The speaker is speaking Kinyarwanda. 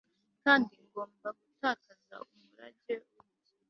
kandi ngomba gutakaza umurage w'ubugingo